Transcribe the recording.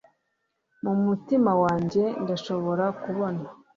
mu mutima wanjye ndashobora kubona